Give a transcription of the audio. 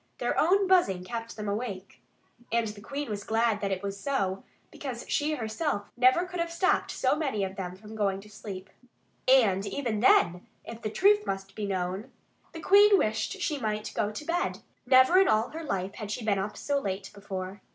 Their own buzzing kept them awake. And the Queen was glad that it was so, because she herself never could have stopped so many of them from going to sleep. And even then, if the truth must be known, the Queen wished that she might go to bed. Never in all her life had she been up so late before.